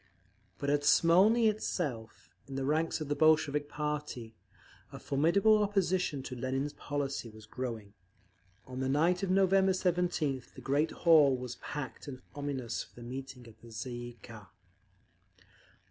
But at Smolny itself, in the ranks of the Bolshevik party, a formidable opposition to Lenin's policy was growing. On the night of November 17th the great hall was packed and ominous for the meeting of the _Tsay ee kah.